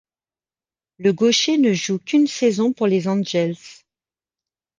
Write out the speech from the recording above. Le gaucher ne joue qu'une saison pour les Angels.